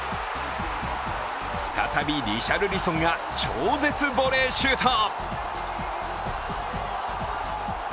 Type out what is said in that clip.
再びリシャルリソンが超絶ボレーシュート。